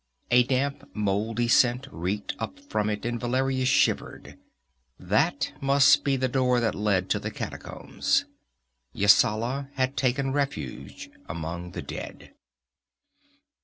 A damp moldy scent reeked up from it, and Valeria shivered. That must be the door that led to the catacombs. Yasala had taken refuge among the dead.